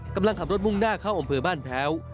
กำลังขับรถมุ่งหน้าเข้าอำเภอบ้านแพ้ว